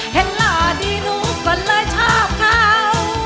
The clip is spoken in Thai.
เห็นหน้าที่หนูก็เลยชอบเขา